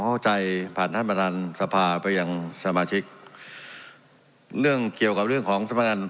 เข้าใจผ่านท่านประธานสภาไปยังสมาชิกเรื่องเกี่ยวกับเรื่องของสำนักงาน